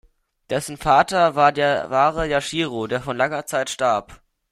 Dessen Vater war der wahre Yashiro, der vor langer Zeit starb.